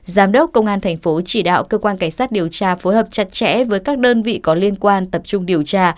giám đốc công an thành phố chỉ đạo cơ quan cảnh sát điều tra phối hợp chặt chẽ với các đơn vị có liên quan tập trung điều tra